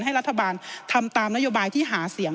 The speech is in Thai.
ให้รัฐบาลทำตามนโยบายที่หาเสียง